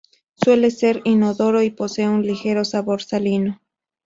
Suele ser inodoro y posee un ligero sabor salino.